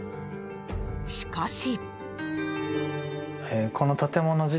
しかし。